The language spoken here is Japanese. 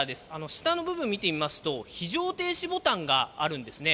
下の部分、見てみますと、非常停止ボタンがあるんですね。